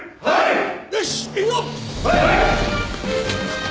はい！